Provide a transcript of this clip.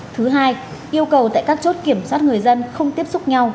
thứ hai yêu cầu tại các chốt kiểm soát người dân không tiếp xúc nhau